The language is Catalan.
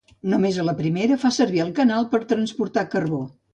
Només la primera fa servir el canal per transportar carbó.